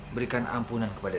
berikan ampunan kepada dia